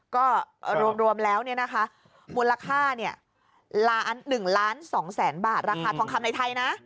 ก็รวมแล้วมูลค่า๑ล้าน๒แสนบาทราคาทองคำในไทยนะ